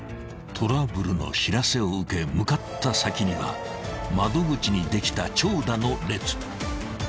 ［トラブルの知らせを受け向かった先には窓口にできた］